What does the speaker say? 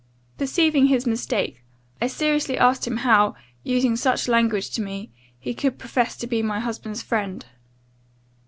Perceiving his mistake, I seriously asked him how, using such language to me, he could profess to be my husband's friend?